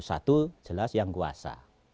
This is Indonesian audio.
satu jelas yang kuasa